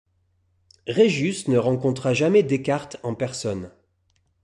Regius ne rencontra jamais Descartes en personne.